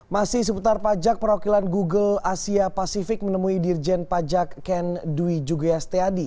masih seputar pajak perwakilan google asia pasifik menemui dirjen pajak ken dwi jugeas teadi